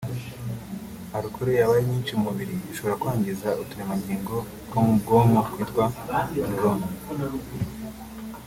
Alcool iyo yabaye nyinshi mu mubiri ishobora kwangiza uturema ngingo two mu bwonko twitwa ’’Neurones’’